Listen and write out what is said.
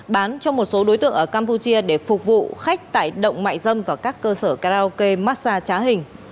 bán cho một số đối tượng ở campuchia để phục vụ khách tại động mại dâm và các cơ sở karaoke massage trá hình